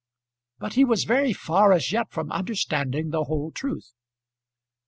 But he was very far as yet from understanding the whole truth.